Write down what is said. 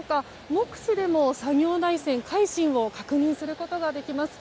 目視でも作業台船「海進」を確認することができます。